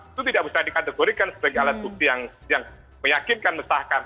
itu tidak bisa dikategorikan sebagai alat bukti yang meyakinkan mensahkan